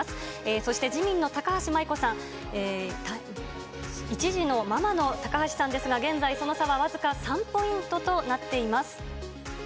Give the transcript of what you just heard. そして自民の高橋舞子さん、１児のママの高橋さんですが、現在、その差は僅か３ポイントとなっています。